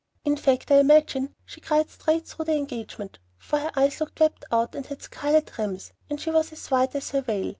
In fact, I imagine she cried straight through the engagement, for her eyes looked wept out and had scarlet rims, and she was as white as her veil.